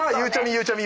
ゆうちゃみ